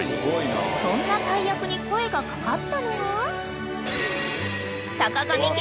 ［そんな大役に声が掛かったのが］